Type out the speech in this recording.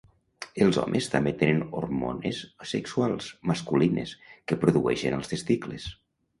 Els homes també tenen hormones sexuals, masculines, que produeixen als testicles.